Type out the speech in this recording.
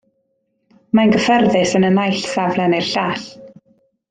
Mae'n gyffyrddus yn y naill safle neu'r llall.